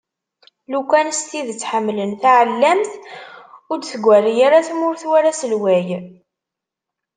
Lukan s tidet ḥemmlen taɛellamt, ur d-tgerri ara tmurt war aselway.